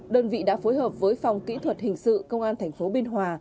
đơn vị đã phối hợp với phòng kỹ thuật hình sự công an tp biên hòa